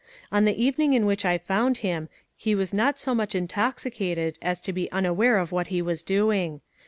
On the evening in which I found him, he was not so much intoxicated as to be unaware of what he was doing.